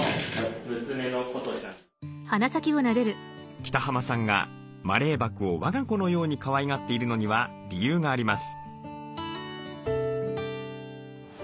北濱さんがマレーバクを我が子のようにかわいがっているのには理由があります。